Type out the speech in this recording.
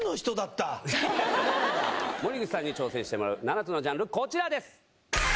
森口さんに挑戦してもらう７つのジャンルこちらです！